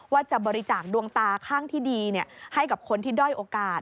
ว่าจะบริจาคดวงตาข้างที่ดีให้กับคนที่ด้อยโอกาส